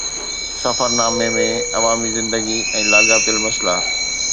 سفرنامي ۾ عوامي زندگي ۽ لاڳاپيل مسئلا